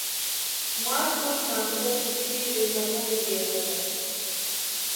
ماټ کور ماغزه د تیږی، بی فرهنگه بی ادبه